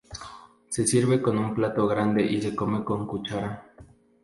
Se sirve en un plato grande y se come con cuchara.